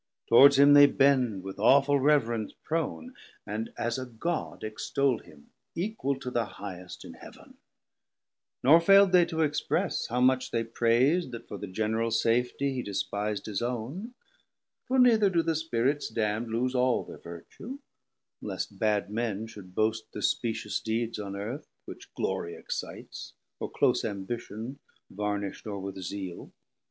Towards him they bend With awful reverence prone; and as a God Extoll him equal to the highest in Heav'n: Nor fail'd they to express how much they prais'd, 480 That for the general safety he despis'd His own: for neither do the Spirits damn'd Loose all thir vertue; least bad men should boast Thir specious deeds on earth, which glory excites, Or close ambition varnisht o're with zeal.